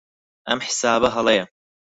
ئەم حیسابە هەڵەیە.